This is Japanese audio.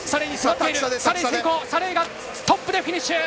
サレイがトップでフィニッシュ。